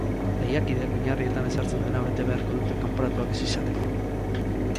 Lehiakideek oinarrietan ezartzen dena bete beharko dute kanporatuak ez izateko.